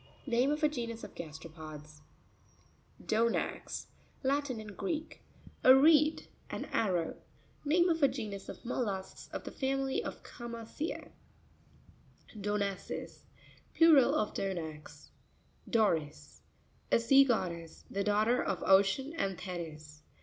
Name of a genus of gasteropods (page 53). Do'nax.—Latin and Greek. A reed; an arrow. Name of a genus of mollusks of the family of Chama'. cea (page 84), Do'naces.—Plural of Donax. Do'ris.—A sea goddess, the daughter of Ocean and Thetys.